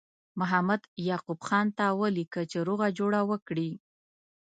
محمد یعقوب خان ته ولیکه چې روغه جوړه وکړي.